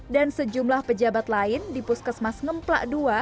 dan sejumlah pejabat lain di puskesmas ngemplak ii